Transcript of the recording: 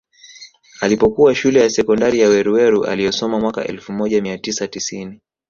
Alipokuwa Shule ya Sekondari ya Weruweru aliyosoma mwaka elfu moja mia tisa tisini